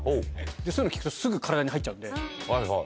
そういうの聞くとすぐ体に入っちゃうんで。